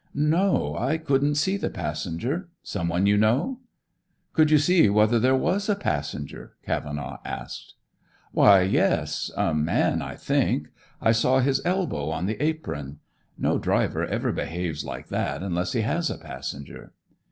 "No, I couldn't see the passenger. Someone you know?" "Could you see whether there was a passenger?" Cavenaugh asked. "Why, yes. A man, I think. I saw his elbow on the apron. No driver ever behaves like that unless he has a passenger."